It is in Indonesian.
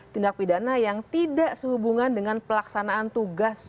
tindak pidana yang tidak sehubungan dengan pelaksanaan tugas